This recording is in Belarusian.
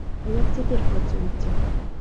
А як цяпер працуеце?